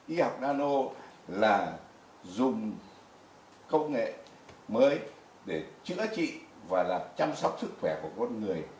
y học nano là dùng công nghệ mới để chữa trị và chăm sóc sức khỏe của con người